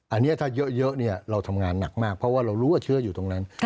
อันนี้ถ้าเยอะเราทำงานหนักมากเพราะว่าเรารู้ว่าเชื้ออยู่ตรงนั้น